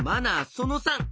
その３！